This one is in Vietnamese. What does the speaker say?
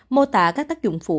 mô tả các tác dụng phụ